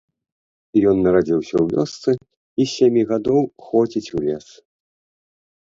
Ён нарадзіўся ў вёсцы і з сямі гадоў ходзіць у лес.